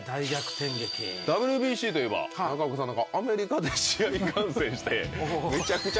ＷＢＣといえば中岡さん何か。